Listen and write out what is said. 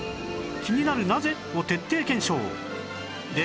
気になる「なぜ？」を徹底検証